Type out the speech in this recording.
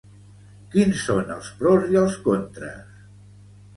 Quins són els pros i els contres?